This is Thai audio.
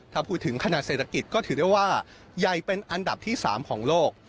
ถ้าพูดถึงขณะเศรษฐกิจก็ถือได้ว่าใหญ่เป็นอันดับที่๓ของโลก